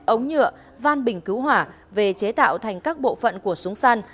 ống nhựa van bình cứu hỏa về chế tạo thành các bộ phận của súng săn